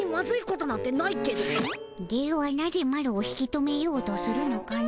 ではなぜマロを引き止めようとするのかの？